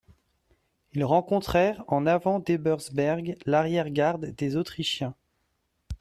Ils rencontrèrent en avant d'Ebersberg l'arrière-garde des Autrichiens.